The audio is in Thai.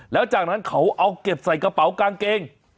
แล้วจากนั้นเขาเอาเก็บใส่กระเป๋ากางเกง